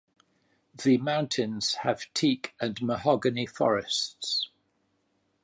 The mountains have teak and mahogany forests.